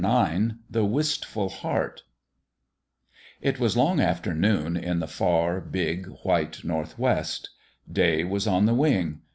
IX THE WISTFUL HEART IT was long after noon in the far, big, white Northwest. Day was on the wing.